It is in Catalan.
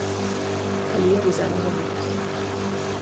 Calia avisar les amigues.